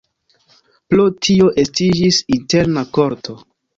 Pro tio estiĝis interna korto.